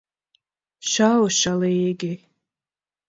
Šaušalīgi.